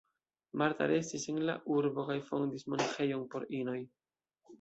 Marta restis en la urbo kaj fondis monaĥejon por inoj.